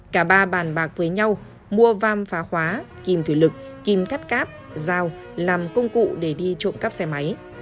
cả ba bàn bạc với nhau mua vam phá khóa kìm thủy lực kim cắt cáp dao làm công cụ để đi trộm cắp xe máy